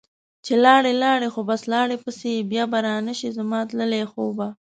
چې لاړي لاړي خو بس لاړي پسي ، بیا به رانشي زما تللي خوبه